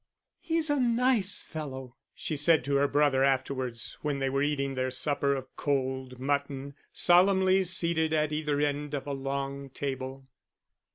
"He is a nice fellow," she said to her brother afterwards, when they were eating their supper of cold mutton, solemnly seated at either end of a long table.